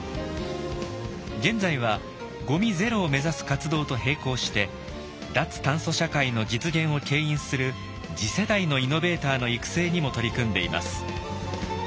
現在はゴミゼロを目指す活動と並行して脱炭素社会の実現をけん引する次世代のイノベーターの育成にも取り組んでいます。